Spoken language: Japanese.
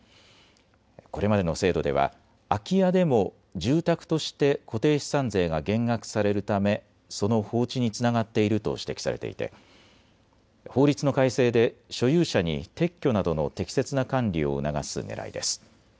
これまでの制度では空き家でも住宅として固定資産税が減額されるため、その放置につながっていると指摘されていて法律の改正で所有者に撤去などの適切な管理を促すねらいです。